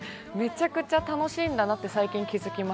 めちゃくちゃ楽しいんだなっ